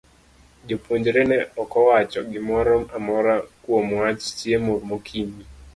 Jopuonjre ne ok owacho gimoro amora kuom wach chiemo mokinyi.